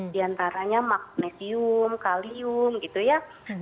di antaranya magnesium kalium gitu ya